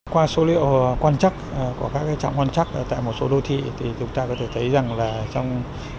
qua số liệu quan chắc của các trạm quan chắc tại một số đô thị thì chúng ta có thể thấy rằng là trong